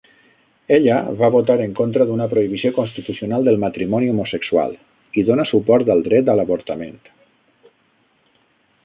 Ella va votar en contra d'una prohibició constitucional del matrimoni homosexual i dóna suport al dret a l'avortament.